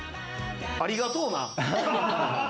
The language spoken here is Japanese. ありがとうな。